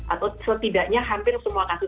atau setidaknya hampir semua kasus